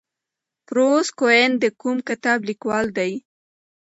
بروس کوئن د کوم کتاب لیکوال دی؟